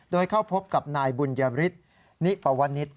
โดยเข้าพบกับนายบุญญาวิทย์นิปวนิศ